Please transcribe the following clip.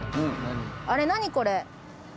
あれ何これ？